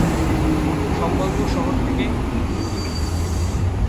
সম্বলপুর শহর থেকে কিমি।